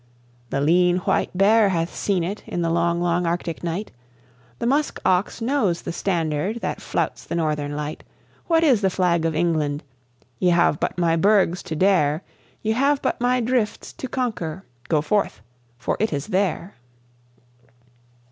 "The lean white bear hath seen it in the long, long Arctic night, The musk ox knows the standard that flouts the Northern Light: What is the Flag of England? Ye have but my bergs to dare, Ye have but my drifts to conquer. Go forth, for it is there!"